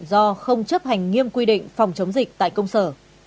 do không chấp hành nghiêm quy định phòng chống dịch tại công sở